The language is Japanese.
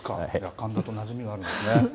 神田となじみがあるんですね。